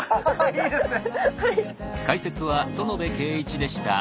いいですね！